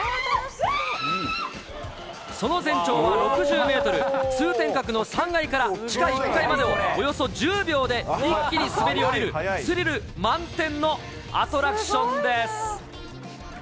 その全長は６０メートル、通天閣の３階から地下１階までを、およそ１０秒で一気に滑り降りる、スリル満点のアトラクションです。